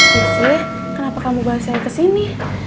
jessy kenapa kamu balesan kesini